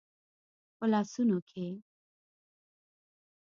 په لاسونو کې